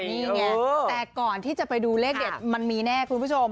นี่ไงแต่ก่อนที่จะไปดูเลขเด็ดมันมีแน่คุณผู้ชม